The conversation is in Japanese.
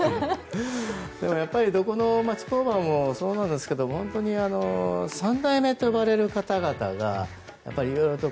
でも、やっぱりどこの町工場もそうなんですが３代目と呼ばれる方々が色々と